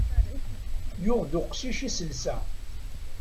Yuɣ-d uqcic iselsa.